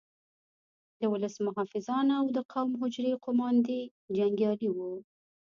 د ولس محافظان او د قوم د حجرې قوماندې جنګیالي وو.